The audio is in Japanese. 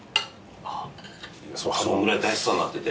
そのぐらい大スターになってて。